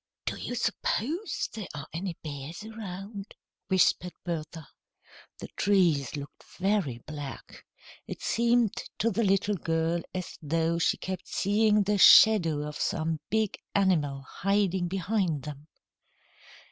"Do you suppose there are any bears around?" whispered Bertha. The trees looked very black. It seemed to the little girl as though she kept seeing the shadow of some big animal hiding behind them.